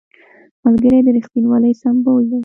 ملګری د رښتینولۍ سمبول دی